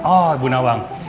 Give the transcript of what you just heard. oh ibu nawang